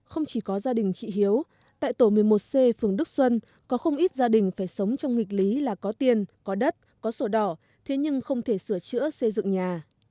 không chỉ có gia đình chị hiếu tại tổ một mươi một c phường đức xuân có không ít gia đình phải sống trong nghịch lý là có tiền có đất có sổ đỏ thế nhưng không thể sửa chữa xây dựng nhà